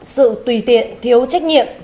sự tùy tiện thiếu trách nhiệm